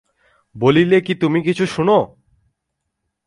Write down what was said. বলিলে কি তুমি কিছু শোন?